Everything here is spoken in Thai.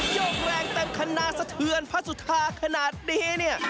ยกแรงเต็มคันนาสะเทือนพระสุธาขนาดนี้เนี่ย